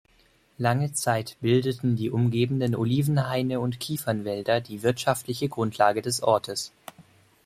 Lange Zeit bildeten die umgebenden Olivenhaine und Kiefernwälder die wirtschaftliche Grundlage des Ortes.